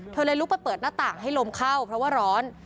เลยลุกไปเปิดหน้าต่างให้ลมเข้าเพราะว่าร้อน